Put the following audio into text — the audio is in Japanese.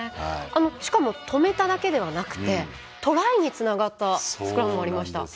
しかも止めただけではなくてトライにつながったスクラムもありました。